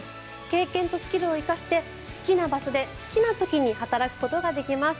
経験とスキルを生かして好きな場所で好きな時に働くことができます。